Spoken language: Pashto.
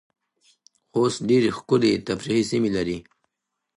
خوست ډیرې ښکلې تفریحې سیمې لرې